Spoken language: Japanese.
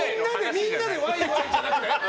みんなでワイワイじゃなくて？